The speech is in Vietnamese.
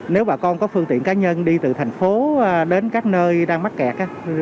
nếu bà con có phương tiện cá nhân đi từ thành phố đến các nơi đang mắc kẹt